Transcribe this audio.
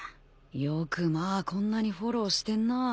よくまあこんなにフォローしてんなぁ。